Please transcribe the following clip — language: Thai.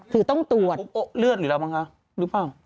คือเขามีกระบวนการที่บุปโอ้เลือดหรือละบางค่ะหรือเปล่า